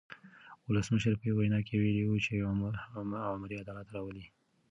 ولسمشر په یوه وینا کې ویلي وو چې عمري عدالت راولي.